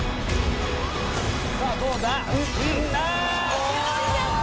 さあ、どうだ？